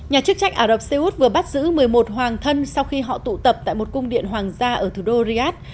nhà chức trách ả rập xê út vừa bắt giữ một mươi một hoàng thân sau khi họ tụ tập tại một cung điện hoàng gia ở thủ đô riyadh